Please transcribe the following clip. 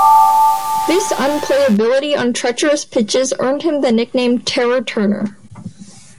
This unplayability on treacherous pitches earned him the nickname "Terror" Turner.